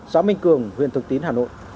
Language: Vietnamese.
xã minh cường huyện thường tín tp hà nội